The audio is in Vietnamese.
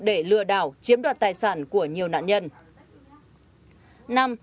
để lừa đảo chiếm đoạt tài sản của nhiều nạn nhân